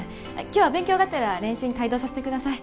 今日は勉強がてら練習に帯同させてください